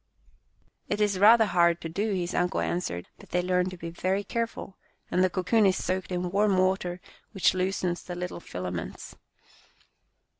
" It is rather hard to do," his uncle an swered, " but they learn to be very careful, and the cocoon is soaked in warm water which loosens the little filaments.